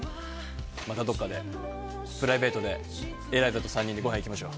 またどっかで、プライベートでエライザと３人でごはん行きましょう。